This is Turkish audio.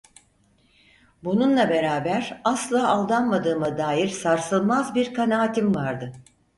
Bununla beraber, asla aldanmadığıma dair sarsılmaz bir kanaatim vardı.